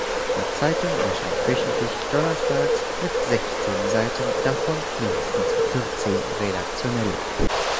Die Zeitung erscheint wöchentlich donnerstags mit sechzehn Seiten, davon mindestens vierzehn redaktionelle.